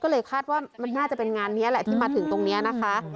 ก็เลยคาดว่ามันน่าจะเป็นงานนี้แหละที่มาถึงตรงนี้นะคะ